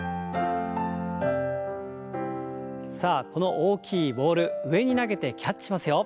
さあこの大きいボール上に投げてキャッチしますよ。